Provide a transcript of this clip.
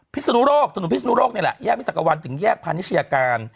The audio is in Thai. พิศนุโรคสนุนพิศนุโรคนี่แหละแยกพิศกวันถึงแยกพาณิชยาการ